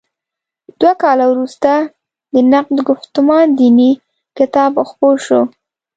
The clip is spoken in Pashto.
دوه کاله وروسته د «نقد ګفتمان دیني» کتاب خپور شو.